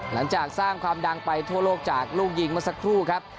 หลังจากสร้างความดังไปทั่วโลกจากลูกยิงเมื่อสักครู่ครับ